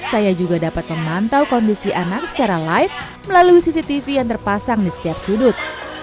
saya juga dapat memantau kondisi anak secara live melalui cctv yang terpasang di setiap sudut